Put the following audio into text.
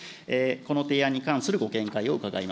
この提案に関するご見解を伺い